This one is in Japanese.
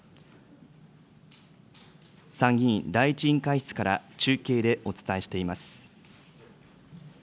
参議院第１委員会室から中継でお伝えしています。